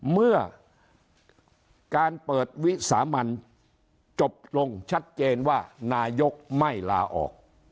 เมื่อการเปิดวิสามันจบลงชัดเจนว่านายกไม่ลาออก